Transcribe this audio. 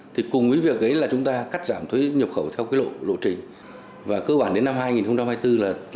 thì cùng với việc ấy là chúng ta cắt giảm thuế nhập khẩu